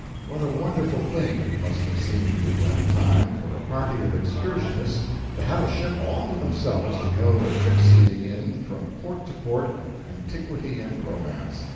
What a wonderful thing it must have seemed in that time for a party of excursionists to have a ship all to themselves to go a gipsying in from port to port of antiquity and romance!